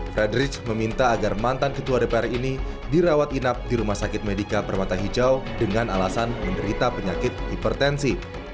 frederick meminta agar mantan ketua dpr ini dirawat inap di rumah sakit medika permata hijau dengan alasan menderita penyakit hipertensi